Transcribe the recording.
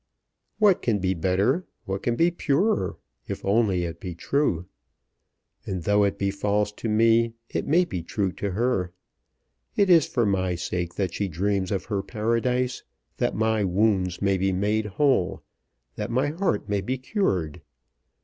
"What can be better, what can be purer, if only it be true? And though it be false to me, it may be true to her. It is for my sake that she dreams of her Paradise, that my wounds may be made whole, that my heart may be cured.